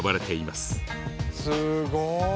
すごい！何？